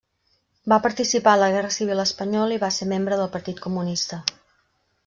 Va participar en la Guerra civil espanyola i va ser membre del Partit Comunista.